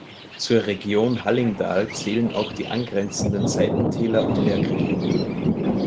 Zur "Region Hallingdal" zählen auch die angrenzenden Seitentäler und Bergregionen.